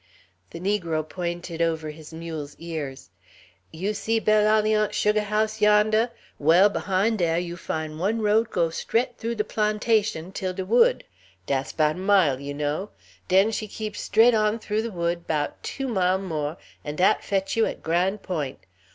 The negro pointed over his mule's ears. "You see Belle Alliance sugah house yondeh? Well, behine dah you fine one road go stret thoo the plantation till de wood. Dass 'bout mile, you know. Den she keep stret on thoo de wood 'bout two mile' mo', an' dat fetch you at Gran' Point'.